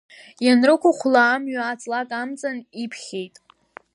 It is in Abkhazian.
Ианрықәыхәла, амҩан ҵлак амҵан иԥхьеит.